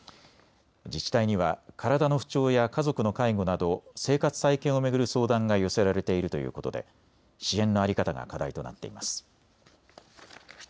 自治体には体の不調や家族の介護など生活再建を巡る相談が寄せられているということで支援の在り方が課題となっています。